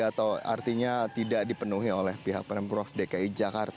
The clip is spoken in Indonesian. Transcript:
atau artinya tidak dipenuhi oleh pihak pemprov dki jakarta